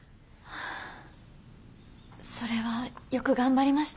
それはよく頑張りましたね。